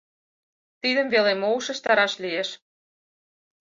Тидым веле мо ушештараш лиеш?